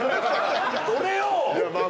俺よ！